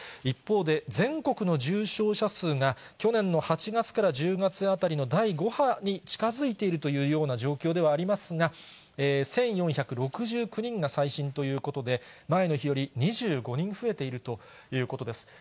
一方で、全国の重症者数が去年の８月から１０月あたりの第５波に近づいているというような状況ではありますが、１４６９人が最新ということで、前の日より２５人増えているということです。